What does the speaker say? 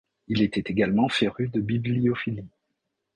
Il était également féru de bibliophilie.